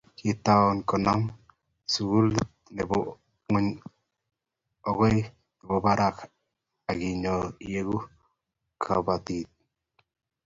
Kintoen koname sukulit ne bo ngony okoi ne bo barak akinyoo ieku kabotin?